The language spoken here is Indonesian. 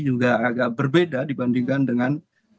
juga agak berbeda dibandingkan dengan